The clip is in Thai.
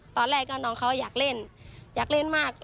ตอนแรกก็น้องเขาอยากเล่นอยากเล่นมาก